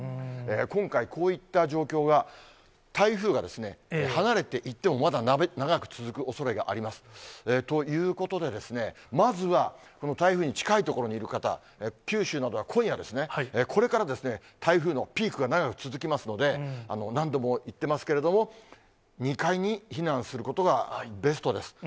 今回、こういった状況が、台風が離れていっても、まだ長らく続くおそれがあります。ということで、まずはこの台風に近い所にいる方、九州などは今夜ですね、これから台風のピークが長く続きますので、何度も言ってますけども、２階に避難することがベストです。